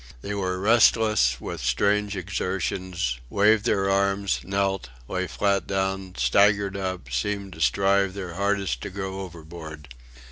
They were restless with strange exertions, waved their arms, knelt, lay flat down, staggered up, seemed to strive their hardest to go overboard.